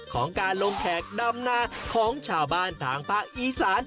ของการลงแขกดำนาของชาวบ้านทางภาคอีสาน